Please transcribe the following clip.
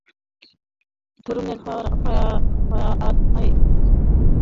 তারুণ্যের ফোয়ারায় অবগাহন করে চিরযৌবন লাভ করার ঘটনা অতি পৌরাণিক কাহিনিতে রয়েছে।